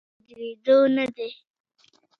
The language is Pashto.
نن سبا د ودریدو نه دی.